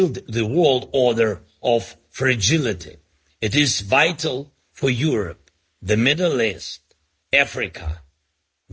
dan australia dapat memberikan